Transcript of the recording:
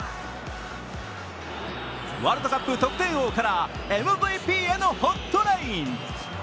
ワールドカップ得点王からＭＶＰへのホットライン。